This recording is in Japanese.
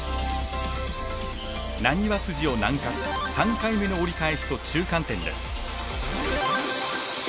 なにわ筋を南下し３回目の折り返しと中間点です。